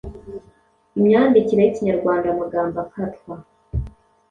Imyandikire y’Ikinyarwanda: Amagambo akatwa